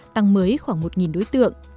tăng mới khoảng một đối tượng